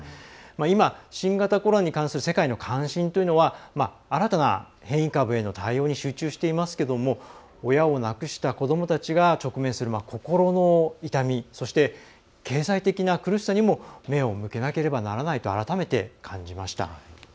今、新型コロナに関する世界の関心というのは新たな変異株への対応に集中していますけども親を亡くした子どもたちが直面する心の痛みそして、経済的な苦しさにも目を向けなければならないと改めて感じました。